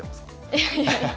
いやいや。